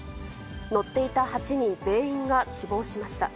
乗っていた８人全員が死亡しました。